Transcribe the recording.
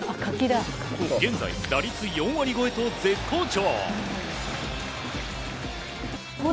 現在、打率４割超えと絶好調。